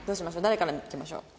誰からいきましょう？